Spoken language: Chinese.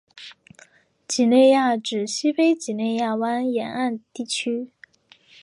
几内亚指西非几内亚湾沿岸地区。